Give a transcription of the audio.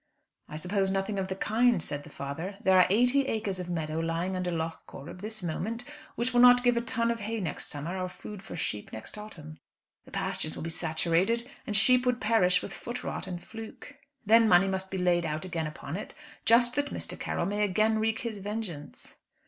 "I suppose nothing of the kind," said the father. "There are eighty acres of meadow lying under Lough Corrib this moment which will not give a ton of hay next summer, or food for a sheep next autumn. The pastures will be saturated, and sheep would perish with foot rot and fluke. Then money must be laid out again upon it, just that Mr. Carroll may again wreak his vengeance."